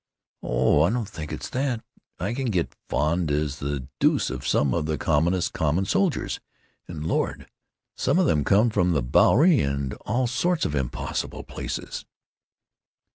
"Oh, I don't think it's that. I can get fond as the deuce of some of the commonest common soldiers—and, Lord! some of them come from the Bowery and all sorts of impossible places."